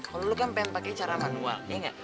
kalau lu kan pengen pakai cara manual iya gak